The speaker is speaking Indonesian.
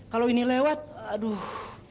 kalau ini lewat aduh